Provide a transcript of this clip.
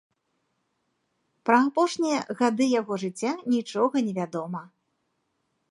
Пра апошнія гады яго жыцця нічога не вядома.